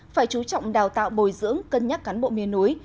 phải chú trọng đào tạo bồi dưỡng cân nhắc cán bộ miền núi